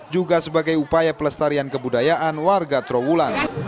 juga sebagai upaya pelestarian kebudayaan warga trawulan